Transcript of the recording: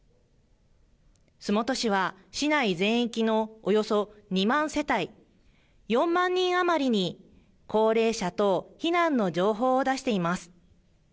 洲本市は、市内全域のおよそ２万世帯４万人余りに、高齢者等避難の情報を出しています。